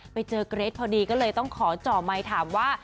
ไปเจอเกรทพอดีก็เลยต้องขอจ่อไมค์ถามว่า